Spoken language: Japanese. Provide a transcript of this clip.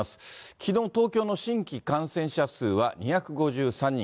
きのう、東京の新規感染者数は２５３人。